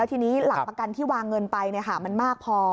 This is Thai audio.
ทีนี้หลักประกันที่วางเงินไปมันมากพอ